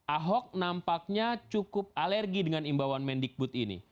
ahok nampaknya cukup alergi dengan imbauan mendikbud ini